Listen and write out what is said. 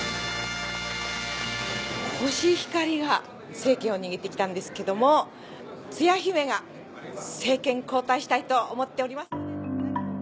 コシヒカリが政権を握って来たんですけどもつや姫が政権交代したいと思っております。